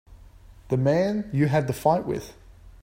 The man you had the fight with.